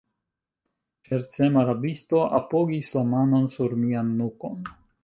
Ŝercema rabisto apogis la manon sur mian nukon.